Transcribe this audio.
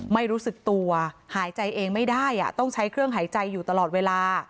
ไม่รู้สึกตัวหายใจเองไม่ได้ต้องใช้เครื่องหายใจอยู่ตลอดเวลา